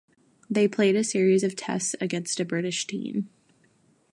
They played a series of Tests against a British team.